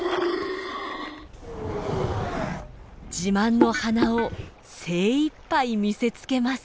自慢の鼻を精いっぱい見せつけます。